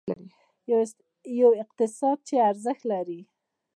یو اقتصاد چې ارزښت لري.